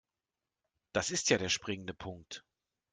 Das ist ja der springende Punkt.